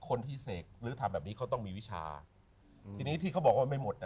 คนที่เสกหรือทำแบบนี้เขาต้องมีวิชาทีนี้ที่เขาบอกว่าไม่หมดอ่ะ